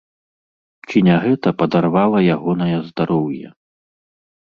Ці не гэта падарвала ягонае здароўе?